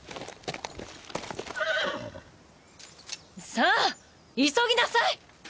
さあ急ぎなさい！